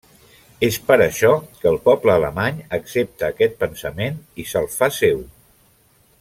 És per això que el poble alemany accepta aquest pensament i se’l fa seu.